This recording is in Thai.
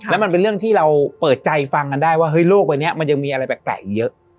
แล้วมันเป็นเรื่องที่เราเปิดใจฟังกันได้ว่าเฮ้ยโลกใบนี้มันยังมีอะไรแปลกอีกเยอะ